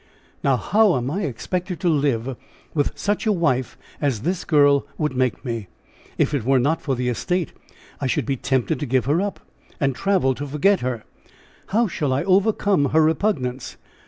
"Now, how am I expected to live with such a wife as this girl would make me? If it were not for the estate I should be tempted to give her up, and travel to forget her! How shall I overcome her repugnance?